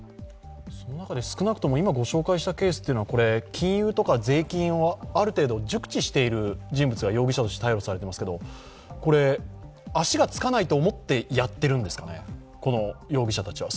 少なくとも今御紹介したケースは金融とか税金をある程度熟知している人物が容疑者として逮捕されていますが、これ足がつかないと思ってやっているんですかね、容疑者たちは。